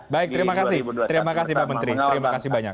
baik terima kasih terima kasih pak menteri terima kasih banyak